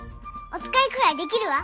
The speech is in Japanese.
おつかいくらいできるわ。